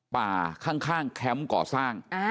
ป่าข้างข้ามแค้มก่อสร้าง